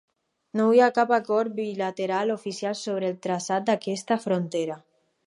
No hi ha cap acord bilateral oficial sobre el traçat d'aquesta frontera.